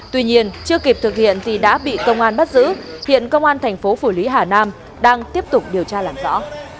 tuy nhiên chưa kịp thực hiện thì đã bị công an bắt giữ hiện công an thành phố phủ lý hà nam đang tiếp tục điều tra làm rõ